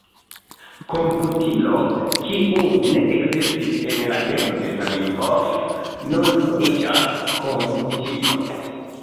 Komputilo, kiu ne ekzistis en la tempo de Zamenhof, nun nomiĝas komputilo.